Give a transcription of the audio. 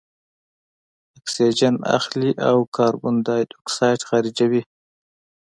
اکسیجن اخلي او کاربن دای اکساید خارجوي.